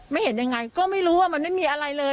ไม่เห็นยังไงก็ไม่รู้ว่ามันไม่มีอะไรเลย